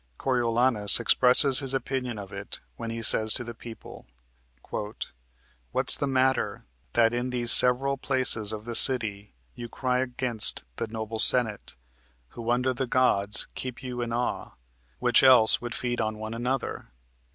Coriolanus expresses his opinion of it when he says to the people: "What's the matter, That in these several places of the city You cry against the noble Senate, who, Under the gods, keep you in awe, which else Would feed on one another?"